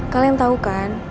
kalian tahu kan